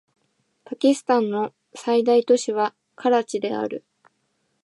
パキスタンの最大都市はカラチである